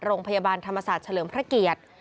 โรงพยาบาลธรรมศาสตร์เฉลิมพระเกียรติ